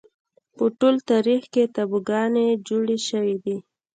په ټول تاریخ کې تابوگانې جوړې شوې دي